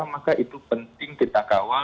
maka itu penting kita kawal